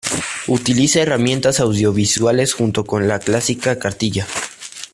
Utiliza herramientas audiovisuales junto con la clásica cartilla.